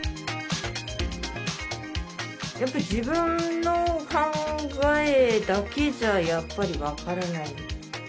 やっぱり自分の考えだけじゃ分からない